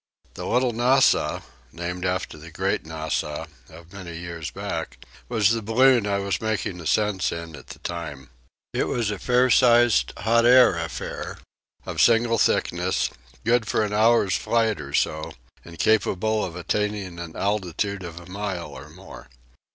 The "Little Nassau" (named after the "Great Nassau" of many years back) was the balloon I was making ascents in at the time. It was a fair sized, hot air affair, of single thickness, good for an hour's flight or so and capable of attaining an altitude of a mile or more.